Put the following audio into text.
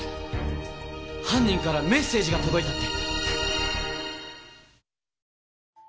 犯人からメッセージが届いたって。